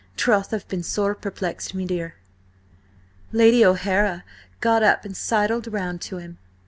Troth, and I've been sore perplexed, me dear." Lady O'Hara got up and sidled round to him.